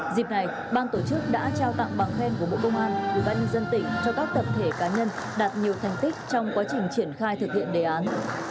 dịp này bang tổ chức đã trao tặng bằng khen của bộ công an ủy ban nhân dân tỉnh cho các tập thể cá nhân đạt nhiều thành tích trong quá trình triển khai thực hiện đề án